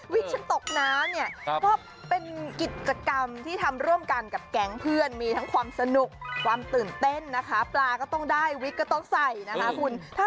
วิ้กฉันตกน้ำเนี่ยเพราะว่า